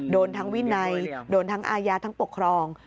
โดนทั้งวินัยโดนทั้งอาญาทั้งปกครอง